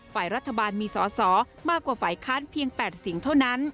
ฝ่ายรัฐบาลมีสอสอมากกว่าฝ่ายค้านเพียง๘เสียงเท่านั้น